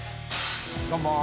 どうも。